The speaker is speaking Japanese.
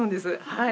はい。